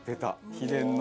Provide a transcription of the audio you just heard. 秘伝の。